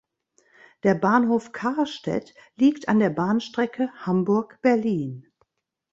Der Bahnhof "Karstädt" liegt an der Bahnstrecke Hamburg–Berlin.